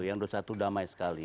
yang dua puluh satu damai sekali